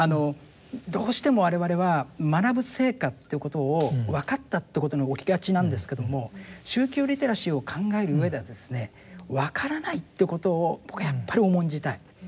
どうしても我々は学ぶ成果っていうことをわかったっていうことに置きがちなんですけども宗教リテラシーを考えるうえではですねわからないっていうことを僕やっぱり重んじたい。